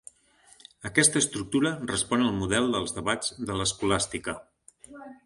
Aquesta estructura respon al model dels debats de l'escolàstica.